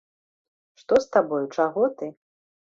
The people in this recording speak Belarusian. Што з табою, чаго ты?